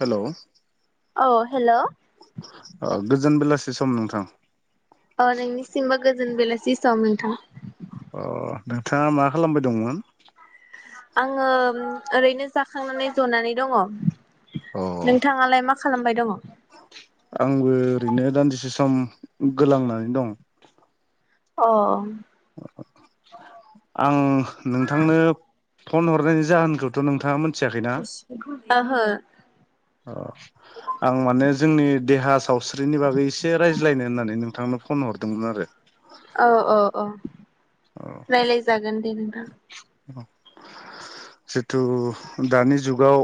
Hello. औ hello. ओ गोजोन बेलासि सम नोंथां। अ नोंनिसिमबो गोजोन बेलासि सम नोंथां। अ नोंथाङा मा खालामबाय दंमोन? आङो ओरैनो जाखांनानै जनानै दङ। अ नोंथाङालाय मा मा खालामबाय दङ? आंबो ओरैनो दान्दिसे सम गोलांनानै दं। अ। आं नोंथांनो फन हरनायनि जाहोनखौथ' नोंथाङा मोन ओहो। अ आं माने जोंनि देहा साव स्रिनि बागै एसे रायज्लायनो होननानै नोंथांनो फन हरदोंमोन आरो। औ औ औ। रायलाय जागोन दे नोंथां। जितु दानि जुगाव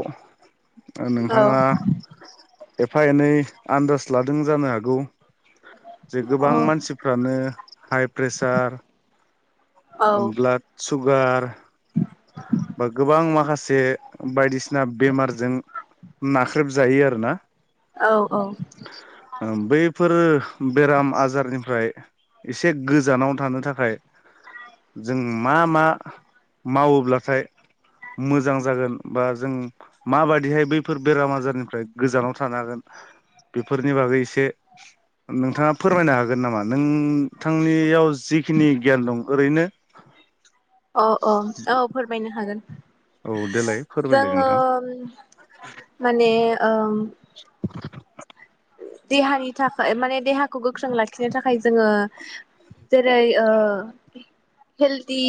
औ नोंथाङा एफा एनै आन्दाज लादों जानो हागौ। जे औ गोबां मानसिफ्रानो हाइ प्रेसार औ ब्लाड सुगार बा गोबां माखासे बायदिसिना बेमारजों नाख्रेबजायो आरोना। औ औ। फोरो बेराम आजारनिफ्राय एसे गोजानाव थानो थाखाय जों मा मा। मावोब्लाथाय मोजां जागोन बा जों माबादिहाय बैफोर बेराम आजारनिफ्राय गोजानाव थानो हागोन बेफोरनि बागै एसे। नोंथाङा फोरमायनो हागोन नामा। नोंथांनियाव जिखिनि गियान दं ओरैनो‌। अ अ। औ फोरमायनो। नो हागोन। औ देलाय फोरमायलाय जोङो नोंथां माने ओं। देहानि थाखाय माने देहाखौ गोख्रों लाखिनो थाखाय जोङो जेरै हेलदि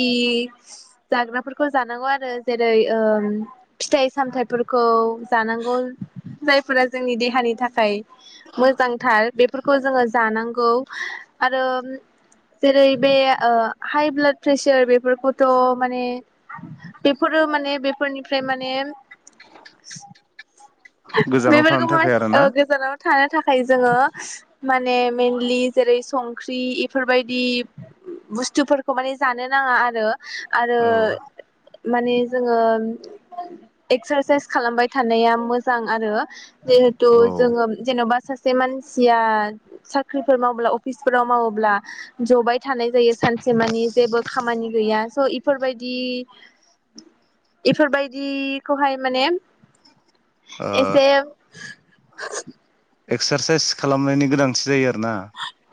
जाग्राफोरखौ जानांगौ आरो जेरै फिथाइ सामथाइफोरखौ जानांगौ जायफोरा जोंनि देहानि थाखाय। मोजांथार बेफोरखौ जोङो जानांगौ आरो जेरै बे हाइ ब्लाड प्रेसार बेफोरखौथ' माने बेफोरो माने बेफोरनिफ्राय माने गोजानाव थानो बेफोरखौ थाखाय आरोना माने गोजानाव थानो थाखाय जोङो माने मेनलि जेरै संख्रि इफोरबायदि बुस्थुफोरखौ माने जानो नाङा आरो। आरो। औ माने जोङो एक्सारसाइस खालामबाय थानाया मोजां आरो। जिहेथु औ जोङो बा सासे मानसिया साख्रिफोर मावोब्ला अफिसफोराव मावोब्ला जबाय। थानाय जायो सानसे मानि जेबो खामानि गैया। स' इफोरबायदि इफोरबायदिखौहाय माने ओ एसे एक्सारसाइस खालामनायनि गोनांथि जायो आरो ना।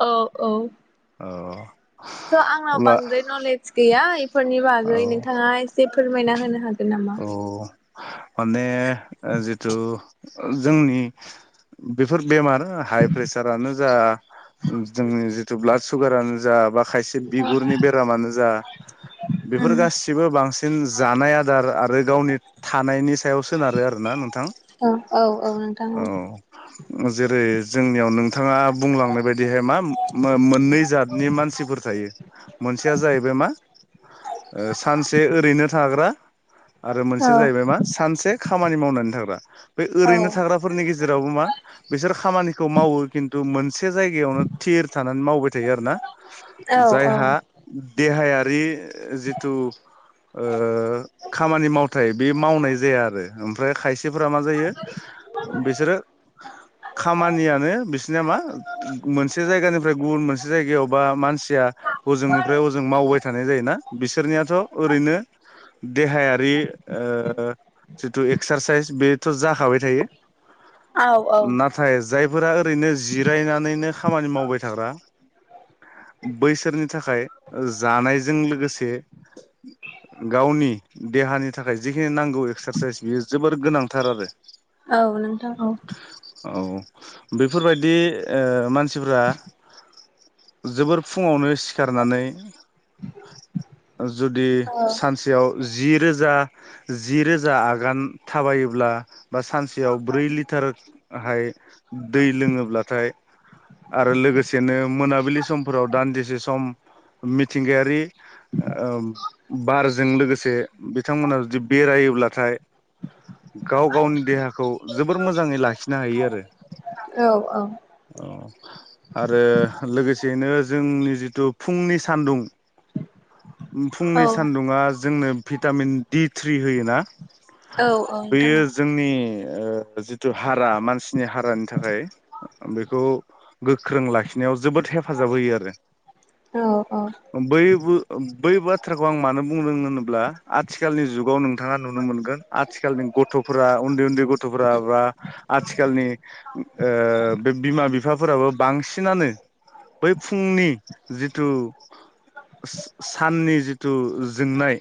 औ औ। औ। स' आंनाव अब्ला बांद्राय नलेज गैया इफोरनि बागै नोंथाङा एसे फोरमायना हो। होनो हा अ माने जिथु ओ जोंनि बेफोर बेमार हाइ प्रेसारानो जा जोंनि ब्लाद सुगारानो जा बा खायसे बिगुरनि बेरामानो जा बेफोर उम गासिबो बांसिन जानाया आरो आरो गावनि थानायनि सायाव सोनारो आरोना नोंथां औ औ औ नोंथां औ। जेरै जोंनियाव नोंथाङा बुंलांनाय बायदिहाय मा मो-मोननै जातनि मानसिफोर थायो मोनसेया जाहैबाय मा ओ सानसे ओरैनो थाग्रा आरो मोनसेया जाहैबाय औ मा सानसे खामानि मावनानै थाग्रा। बे औ ओरैनो थाग्राफोरनि गेजेरावबो मा बिसोर खामानिखौ मावो खिन्थु मोनसे जायगायावनो थिर थानानै मावबाय थायो आरो ना औ जायहा देहाया बि जिथु ओ खामानि मावथाय बे मावनाय जाया आरो ओमफ्राय खायसे फोरा मा जायो बिसोरो खामानियानो बिसिना मा मोनसे जायगा जा बे गुबुन मोन मोनसे जायगायाव बा मानसिया हजोंनिफ्राय ओजों मावबाय थानाय जायोना बिसोरनियाथ' ओरैनो देहायारि ओ जिथु एक्सारसाइस बेथ' जाखाबाय थायो। औ औ नाथाय जायफोरा ओरैनो जिरायनानैनो खामानि मावबाय थाग्रा बैसोरनि थाखाय ओ जानायजों लोगोसे गावनि देहानि थाखाय जिखिनि नांग गौ एक्सारसाइस बियो जोबोर गोनां। थार आरो औ नोंथां औ औ बेफोरबायदि ओ मानसिफोरा जोबोर फुङावनो सि सिखारनानै जुदि औ सानसेआव जि रोजा जि रोजा आगान थाबायोब्ला बा सानसेयाव ब्रै लिटारहाय दै लोङोब्लाथाय आरो लोगोसेनो मोनाबिलि समफोराव दान्दिसे सम मिथिंगायारि ओ बारजों लोगोसे बिथांमोना जुदि बेरायोब्लाथाय गाव गावनि देहाखौ जोबोर मोजाङै लाखिनो हायो आरो। औ औ आरो लोगोसे बेनो जोंनि जिथु फुंनि सानदुं फुंनि सान्दुङा जोंनो भिटामिन डि थ्रि होयो ना? औ औ नोंथां बेयो जोंनि ओ जिथु हारा मानसिनि हारानि थाखाय बेखौ गोख्रों लाखिनायाव जोबोद हेफाजाब होयो आरो औ औ बैयबो बै बाथ्राखौ आं मानो बुंदों होनोब्ला आथिखालनि जुगाव नोंथाङा नुनो मोनगोन आथिखालनि गथ'फोरा उन्दै उन्दै गथ'फोरा बा आथिखालनि बे ओ बिमा बिफाफोराबो बांसिनानो बै फुंनि जिथु साननि जिथु जोंनाय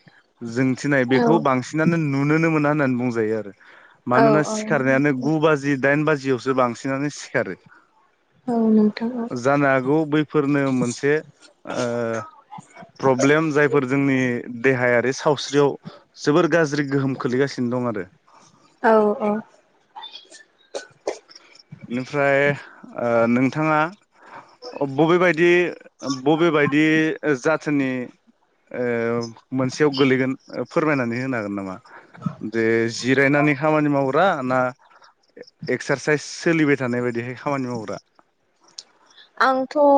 जोंथिनाय बेखौ बांसिनानो नुुनोनो मोना होननानै बुंजा जायो आरो। औ मानोना औ सिखारनायानो गु बाजि दाइन बाजि जिआवसो बांसिनानो सिखारो। नोंथां औ जानो हागौ बैफोरनो मोनसे ओ प्रब्लेम जायफोर जोंनि देहाया सावस्रियाव जोबोर गाज्रि गोहोम खोलैगासिनो दं आरो औ औ इनिफ्राय ओ नोंथाङा बबेबायदि बबेबायदि जाथिनि ओ मोनसेयाव गोलैगोन फोरमायनानै होनो हागोन नामा? जे जिरायनानै खामानि मावग्रा ना एक्सारसाइस सोलिबाय थानाय बायदिहाय खामानि मावग्रा। आंथ' ओ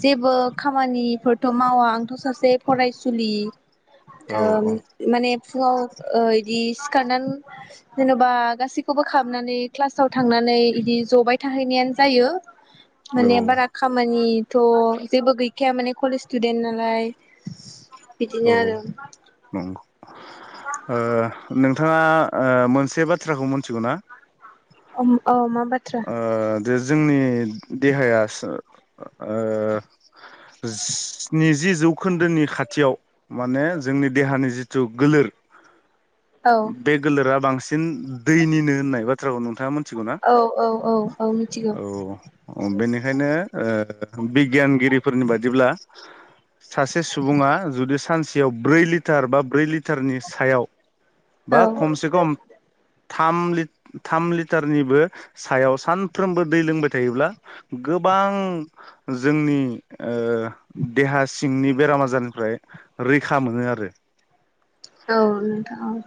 जेबो खामानिफोरथ' मावा आंथ' सासे फरायसुलि औ ओ औ माने फुङाव ओ इ दि सिखारनानै जेन'बा गासैखौबो खालामनानै क्लासाव थांनानै इदि जबाय थाहैनायानो जायो। माने बारा औ खामानि थ' जेबो गैखाया माने कलेज स्टुदेन्त नालाय। औ बिदिनो आरो नंगौ। ओ नोंथाङा ओ मोन से बाथ्राखौ मिथिगौ ना अ अ मा बाथ्रा ओ दे जोंनि देहाया ओ स्निजि जौखोन्दोनि खाथियाव माने जोंनि देहानि जिथु गोलोर औ बे गोलोरा बां सिन दैनिनो होननाय बाथ्राखौ नोंथां मोन थिगौना? औ औ औ औ मिथिगौ औ बेनिखायनो ओ बिगियानगिरिफोरनि बादिब्ला सासे सुबुङा जुदि सानसेयाव ब्रै लिटार बा ब्रै लि टारनि सायाव बा औ खमसे खम थाम लि थाम लिटारनिबो सायाव सानफ्रोमबो दै लोंबाय थायोब्ला गोबां जोंनि ओ देहा सिंनि बेराम आजारनिफ्राय रैखा मोनो आरो औ नोंथां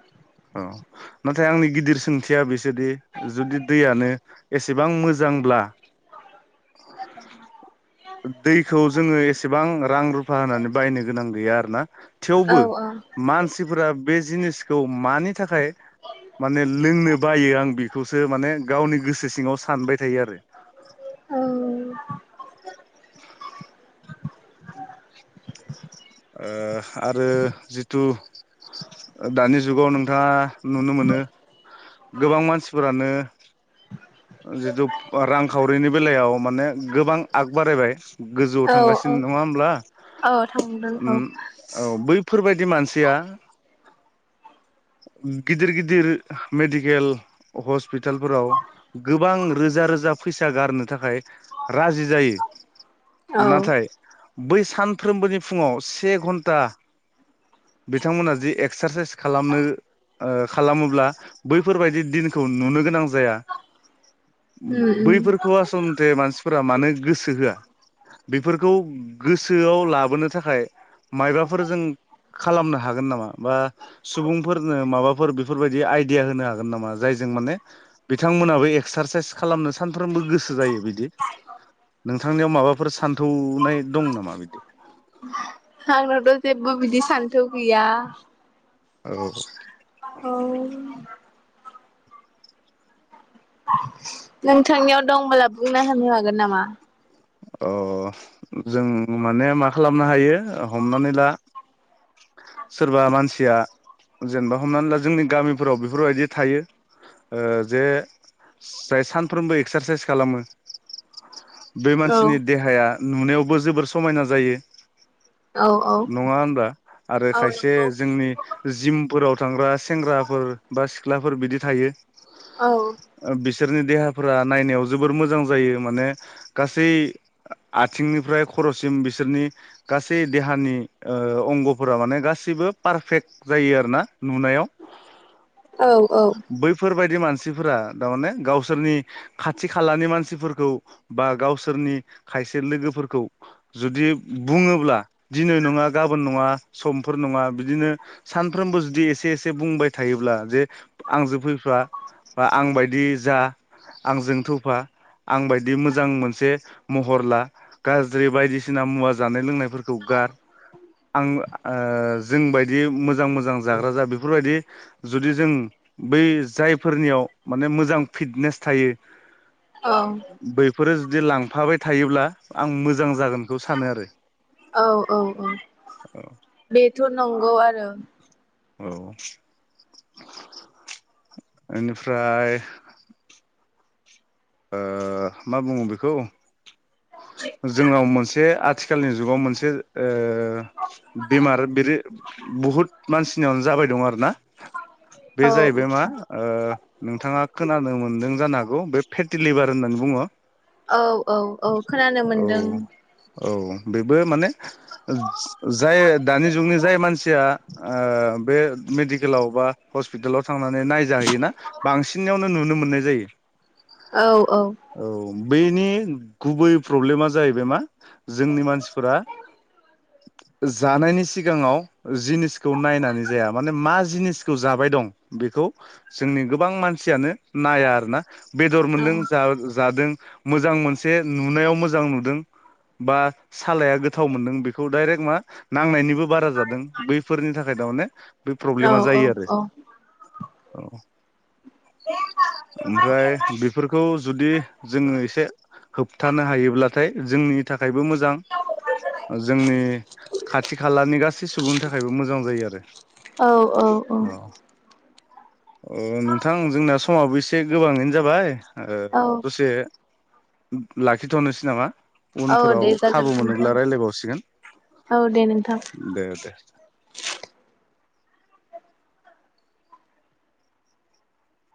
औ नाथाय आंनि गिदिर सोंथिया बिसोदि जुदि दैयानो एसेबां मोजांब्ला दैखौ जोङो एसेबां रां रुफा होनानै बायनो गोनां गैया आरोना औ थेवबो मानसिफोरा बे जिनिसखौ मानि थाखाय माने लोंनो बायो आं बेखौसो माने गावनि गोसो सिङाव सानबाय थायो आरो औ ओ आरो जिथु ओ दानि जुगाव नोंथाङा नुनो मोनो गोबां मानसिफोरानो जिहेथु रांखावरिनि बेलायाव माने गोबां आग बारायबाय गोजौआव औ थांगासिनो औ नङा होमब्ला? औ थांदों ओम औ औ बैफोरबाय दि मानसिया ओम गिदिर गिदिर मेडिकेल हस्पिटालफोराव गोबां रोजा रोजा फैसा गारनो थाखाय राजि जायो। औ नाथाय बै सानफ्रोमबोनि फुङाव से घन्टा बिथांमोना जि एक्सारसाइस खालामनो, ओ खालामोब्ला बैफोरबायाददि दिनखौ नुनो गोनां जाया। ओम उम उम बैफोरखौ आसन थे मानसिफोरा मानो गोसो होआ। बेफोरखौ गोसोआव लाबोनो थाखाय मायबाफोर जों खालामनो हागोन नामा बा सुबुं, फोरनो माबाफोर बेफोरबायदि आइदिया होनो हागोन नामा जायजों माने बिथांमोनाबो एक्सारसाइस खालामनो सानफ्रामबो गोसो जायो बिदि नोंथांनियाव माबाफोर सान्थौनाय दं नामा बिदि? आंनावथ' जेबबो बिदि सान्थौ गैया। औ [inaudible] औ नोंथांनियाव दंबोला बुंनो होनो हागोन नामा? अ जों माने मा खालामनो हायो हमनानै ला, सोरबा मानसिया जेनेबा हमनानै ला जोंनि गामिफोराव बेफोरबायदि थायो ओ जे जाय सानफ्रोमबो एक्सारसाइस खालामो, बे औ मानसिनि देहाया नुनायावबो जोबोर समायना जायो। औ औ नङा होनबा आरो औ खायसे नंगौ जोंनि जिम फोराव थांग्रा सेंग्राफोर बा सिख्लाफोर बिदि थायो। औ सोरनि देहाफोरा नायनायाव जोबोर मोजां जायो माने गासै आथिंनिफ्राय खर'सिम बिसोरनि गासै देहानि ओ अंग' फोरा माने गासिबो पारफेक्ट जायो आरो ना नुनायाव। औ औ दि मानसिफोरा दारमाने गावसोरनि खाथि खालानि मानसिफोरखौ बा गावसोरनि खायसे लोगोफोरखौ जुदि बुङोब्ला दिनै नङा गाबोन नङा, समफोर नङा बिदिनो सानफ्रोमबो जुदि एसे एसे बुंबाय थायोब्ला जे आंजों फैफा बा आंबायदि जा आंजों थौफा आंबायादि मोजां मोनसे महर ला गाज्रि बायदिसिना मुवा जानाय लोंनायफोरखौ गार आं ओ जोंबायदि मोजां मोजां जाग्रा जा बेफोरबायदि जुदि जों बै जायफोरनियाव माने मोजां फिटनेस थायो। औ फोरो जुदि लांफाबाय थायोब्ला आं मोजां जागोनखौ सानो आरो। औ औ औ औ बेथ' नंगौ आरो औ इनिफ्राय, ओ मा बुङो बेखौ? जोंनाव मोनसे आथिखालनि जुगाव मोनसे ओ बेमार बिदि बहुत मानसिनावनो जाबाय दं आरो ना, बे औ जाहैबाय मा ओ नोंथाङा खोनानो मोन्दों जानो हागौ बे फेटिलिभार होननानै बुङो । औ औ औ खोनानो मोनदों । औ बेबो माने जाय दानि जुगनि जाय मानसिया ओ बे मेडिकेलाव बा हस्पिटालाव थांनानै नायजाहैयोना बांसिननियावनो नुनो मोननाय जायो । औ औ बेनि गुबै प्रब्लेमा जाहैबाय मा जोंनि मानसिफोरा जानायनि सिगाङाव जिनिसखौ नायनानै जाया माने मा जिनिसखौ जाबाय दं बेखौ जोंनि गोबां मानसियानो नाया आरोना बेदर मोनदों औ जा जादों मोजां मोन से नुनायाव मोजां नुदों बा सालाया गोथाव मोनदों बेखौ डायरेक्ट मा नांनायनिबो बारा जादों बैफोरनि थाखाय थारमाने बे औ प्रब्लेमा जायो आरो। औ औ ओमफ्राय बेफोरखौ जुदि जोङो एसे होबथानो हायोब्लाथाय जोंनि थाखायबो मोजां जोंनि खाथि खालानि गासै सुबुंनि थाखायबो मोजां जायो आरो । औ-औ-औ। ओ नोंथां जोंना समावबो एसे गोबाङैनो जाबाय ओ औ दसे लाखिथ'नोसै नामा? औ दे उनफोराव जागोन खाबु नोंथां मोनोब्ला रायलायबावसिगोन । औ देे नोंथां।